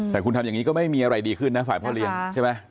แต่คุณทำอย่างนี้ก็ไม่มีอะไรดีขึ้นนะฝ่ายพ่อเลี้ยงใช่ไหม